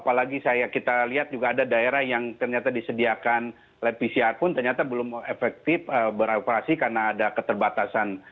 apalagi kita lihat juga ada daerah yang ternyata disediakan lab pcr pun ternyata belum efektif beroperasi karena ada keterbatasan